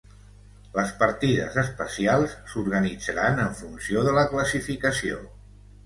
Les partides especials s'organitzaran en funció de la classificació.